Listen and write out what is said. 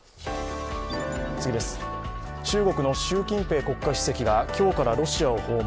中国の習近平国家主席が今日からロシアを訪問。